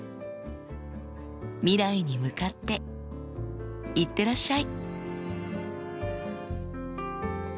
未来に向かって行ってらっしゃい。